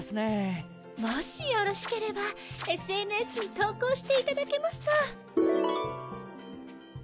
もしよろしければＳＮＳに投稿して頂けますと。